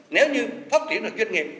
nếu như phát triển được chuyên nghiệp